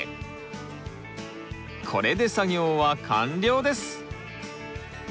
これで作業は完了です！